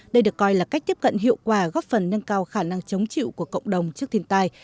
đây được coi là cách tiếp cận hiệu quả góp phần nâng cao khả năng chống chịu của cộng đồng trước thiên tai